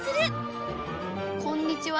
「こんにちは」